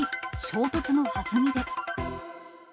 衝突のはずみで。